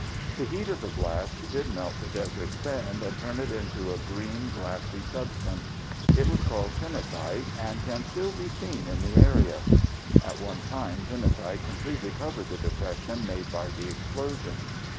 The heat of the blast did melt the desert sand and turn it into a green glassy substance. It was called Trinitite and can still be seen in the area. At one time Trinitite completely covered the depression made by the explosion.